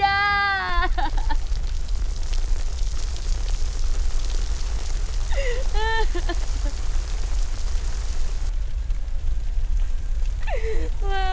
dan sekarang ook